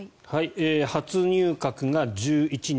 初入閣が１１人。